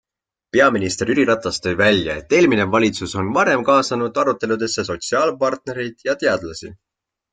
Peaminister Jüri Ratas tõi välja, et eelmine valitsus on varem kaasanud aruteludesse sotsiaalpartnereid ja teadlasi.